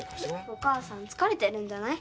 お母さん疲れてるんじゃない？